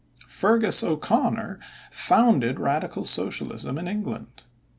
Feargus O'Conor founded Radical Socialism in England.